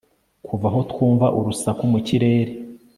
Kuva aho twumva urusaku mu kirere